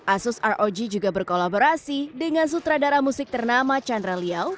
asus rog juga berkolaborasi dengan sutradara musik ternama chandra liau